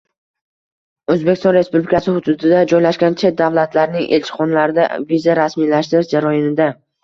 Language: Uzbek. O‘zbekiston Respublikasi hududida joylashgan chet davlatlarning elchixonalarida viza rasmiylashtirish jarayonida